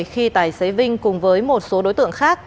khi tài xế vinh cùng với một số đối tượng khác